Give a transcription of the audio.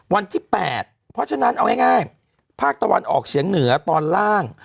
วันที่๘เพราะฉะนั้นเอาง่ายภาคตะวันออกเฉียงเหนือตอนล่าง